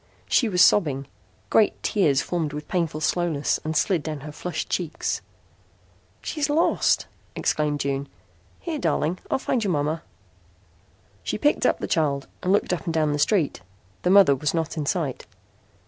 She was sobbing. Great tears formed with painful slowness and slid down her flushed cheeks. "She's lost," exclaimed June. "Here, darling, I'll find your mama." She picked up the child and looked up and down the street. The mother was not in sight.